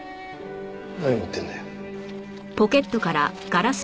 何持ってるんだよ？